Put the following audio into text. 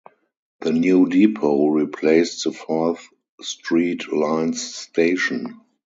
The new depot replaced the Fourth Street line's station.